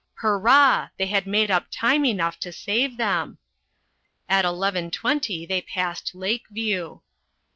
Hurrah! They had made up time enough to save them! At eleven twenty they passed Lake View.